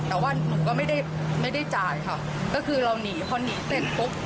แต่ว่าหนูก็ไม่ได้ไม่ได้จ่ายค่ะก็คือเราหนีพอหนีเสร็จปุ๊บ